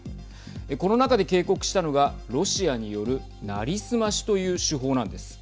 この中で警告したのがロシアによる成り済ましという手法なんです。